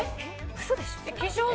ウソでしょ。